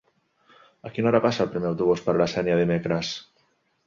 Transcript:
A quina hora passa el primer autobús per la Sénia dimecres?